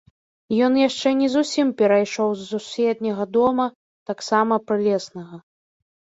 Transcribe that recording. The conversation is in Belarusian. Ён яшчэ не зусім перайшоў з суседняга дома, таксама прылеснага.